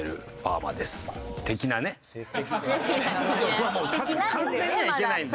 そこはもう完全にはいけないんで。